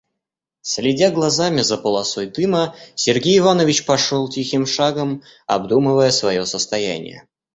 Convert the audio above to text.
Следя глазами за полосой дыма, Сергей Иванович пошел тихим шагом, обдумывая свое состояние.